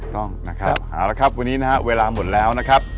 ต้องนะครับเอาละครับวันนี้นะฮะเวลาหมดแล้วนะครับ